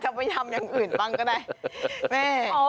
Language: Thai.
เค้าอาจจะมาทำอย่างอื่นบ้างก็ได้